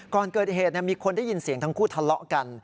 ก่อนเกิดเหตุมีคนได้ยินเสียงทั้งคู่ทะเลาะกัน